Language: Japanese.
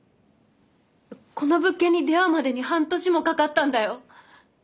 この物件に出会うまでに半年もかかったんだよ。